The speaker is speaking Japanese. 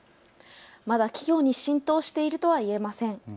まだ企業に浸透しているとは言えません。